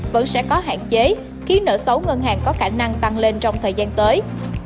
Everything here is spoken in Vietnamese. vẫn sẽ có hạn chế khiến nợ xấu ngân hàng có khả năng tăng lên trong thời gian tới